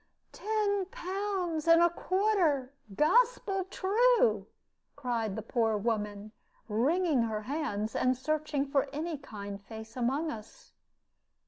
"Ten pounds and a quarter, gospel true!" cried the poor woman, wringing her hands, and searching for any kind face among us.